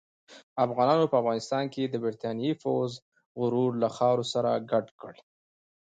افغانانو په افغانستان کې د برتانیې پوځ غرور له خاورو سره ګډ کړ.